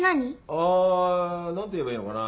あ何て言えばいいのかな。